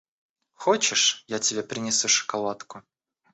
– Хочешь, я тебе принесу шоколадку?